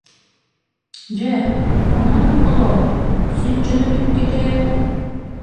Дьэ, онон, но- холоор, син дьон эбиккит ээ